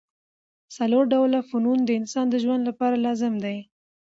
څلور ډوله فنون د انسان د ژوند له پاره لازم دي.